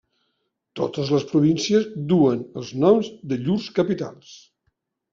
Totes les províncies duen els noms de llurs capitals.